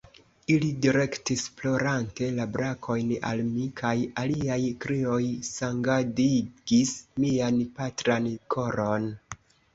Ili direktis plorante la brakojn al mi, kaj iliaj krioj sangadigis mian patran koron.